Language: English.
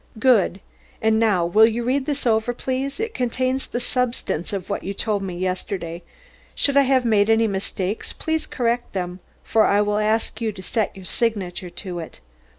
"Good. And now will you read this over please, it contains the substance of what you told me yesterday. Should I have made any mistakes, please correct them, for I will ask you to set your signature to it."